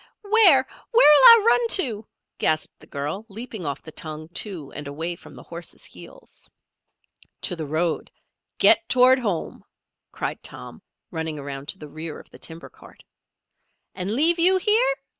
"Where, where'll I run to?" gasped the girl, leaping off the tongue, too, and away from the horses' heels. "To the road. Get toward home!" cried Tom, running around to the rear of the timber cart. "And leave you here?"